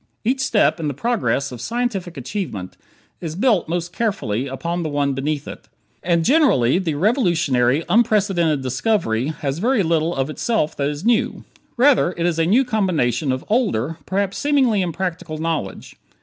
Each step in the progress of scientific achievement is built most carefully upon the one beneath it. And generally the "revolutionary, unprecedented discovery" has very little of itself that is new; rather it is a new combination of older, perhaps seemingly impractical knowledge.